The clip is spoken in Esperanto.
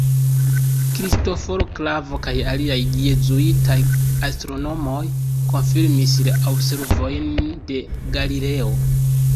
Kristoforo Klavo kaj aliaj jezuitaj astronomoj konfirmis la observojn de Galileo.